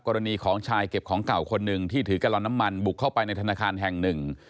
กรณีของชายเก็บของเก่าคนหนึ่งที่ถือกะลอนน้ำมันบุกเข้าไปในธนาคารแห่งหนึ่ง